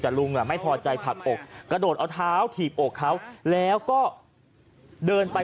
แต่ลุงไม่พอใจผลักอกกระโดดเอาเท้าถีบอกเขาแล้วก็เดินไป